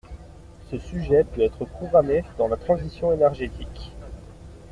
Ce sujet peut être programmé dans la transition énergétique.